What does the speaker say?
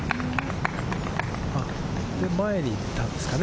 それで前に行ったんですかね？